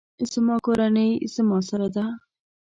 زما کورنۍ زما سره ده